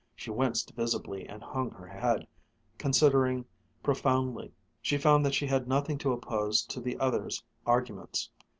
She winced visibly, and hung her head, considering profoundly. She found that she had nothing to oppose to the other's arguments.